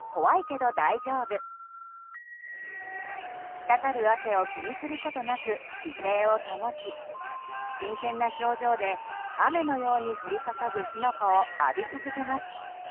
滴る汗を気にすることなく姿勢を保ち真剣な表情で雨のように降り注ぐ火の粉を浴び続けます。